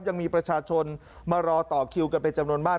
ยังมีประชาชนมารอต่อคิวกันเป็นจำนวนมาก